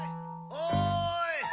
おい！